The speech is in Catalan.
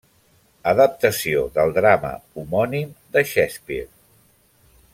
Adaptació del drama homònim de Shakespeare.